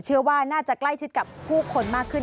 เชื่อว่าน่าจะใกล้ชิดกับผู้คนมากขึ้น